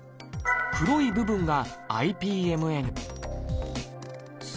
黒い部分がＩＰＭＮ。